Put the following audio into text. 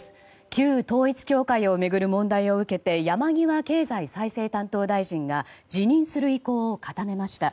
旧統一教会を巡る問題を受けて山際経済再生担当大臣が辞任する意向を固めました。